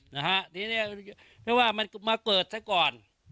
นะฮะทีเนี้ยไม่ว่ามันมาเกิดซะก่อน